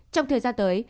trong thời gian tới